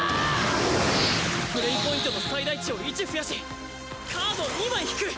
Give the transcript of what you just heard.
プレイポイントの最大値を１増やしカードを２枚引く。